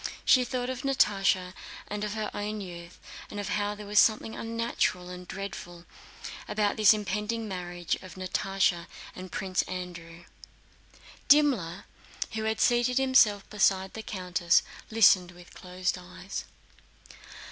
She thought of Natásha and of her own youth, and of how there was something unnatural and dreadful in this impending marriage of Natásha and Prince Andrew. Dimmler, who had seated himself beside the countess, listened with closed eyes.